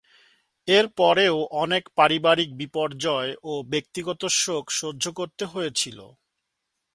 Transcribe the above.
এর পরেও অনেক পারিবারিক বিপর্যয় ও ব্যক্তিগত শোক সহ্য করতে হয়েছিল।